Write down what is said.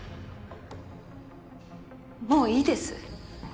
もういいです。